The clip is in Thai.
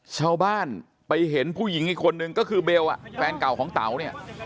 ชาวบ้านไปเห็นผู้หญิงอีกคนนึงก็คือเบลแฟนเก่าของเต๋าเนี่ย